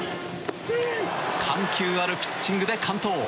緩急あるピッチングで完投。